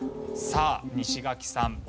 さあ西垣さん